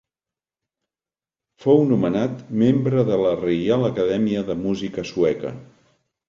Fou nomenat membre de la Reial Acadèmia de Música Sueca.